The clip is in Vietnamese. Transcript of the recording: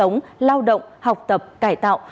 sống lao động học tập cải tạo